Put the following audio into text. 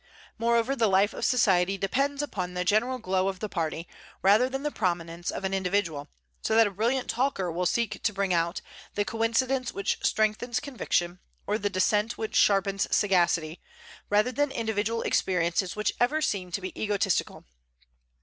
Moreover, the life of society depends upon the general glow of the party, rather than the prominence of an individual, so that a brilliant talker will seek to bring out "the coincidence which strengthens conviction, or the dissent which sharpens sagacity, rather than individual experiences, which ever seem to be egotistical.